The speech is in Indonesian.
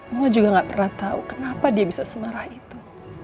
mama juga gak pernah tahu kenapa dia bisa semarah itu